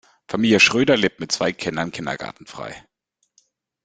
Familie Schröder lebt mit zwei Kindern Kindergartenfrei.